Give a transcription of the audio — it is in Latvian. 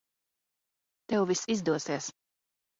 Tev viss izdosies.